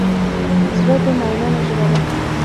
زړه د مینانو ژبه ده.